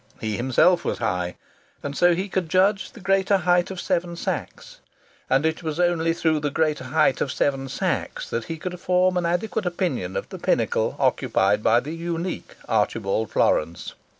He himself was high, and so he could judge the greater height of Seven Sachs; and it was only through the greater height of Seven Sachs that he could form an adequate idea of the pinnacle occupied by the unique Archibald Florance.